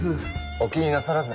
お気になさらず。